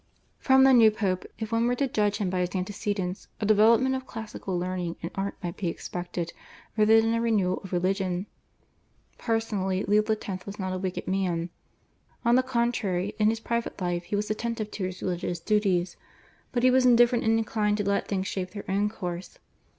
From the new Pope, if one were to judge him by his antecedents, a development of classical learning and art might be expected rather than a renewal of religion. Personally Leo X. was not a wicked man. On the contrary in his private life he was attentive to his religious duties, but he was indifferent and inclined to let things shape their own course.